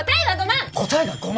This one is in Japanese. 答えは５万！